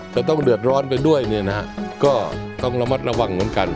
แต่ต้องเดือดร้อนไปด้วยเนี่ยนะฮะก็ต้องระมัดระวังเหมือนกัน